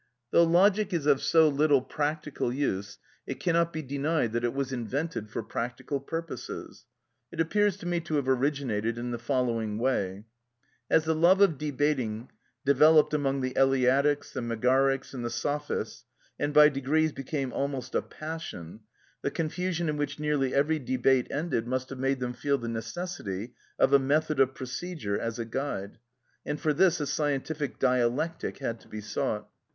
(14) Though logic is of so little practical use, it cannot be denied that it was invented for practical purposes. It appears to me to have originated in the following way:—As the love of debating developed among the Eleatics, the Megarics, and the Sophists, and by degrees became almost a passion, the confusion in which nearly every debate ended must have made them feel the necessity of a method of procedure as a guide; and for this a scientific dialectic had to be sought.